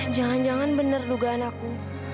jangan jangan benar dugaan aku